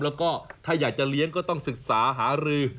แล้วก็ถ้าอยากจะเลี้ยงก็ต้องศึกษาหารือ